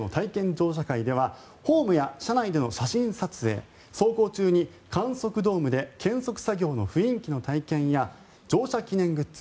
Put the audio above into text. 乗車会ではホームや車内での写真撮影走行中に観測ドームで検測作業の雰囲気の体験や乗車記念グッズ